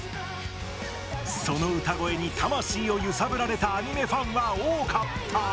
その歌声に魂を揺さぶられたアニメファンは多かった。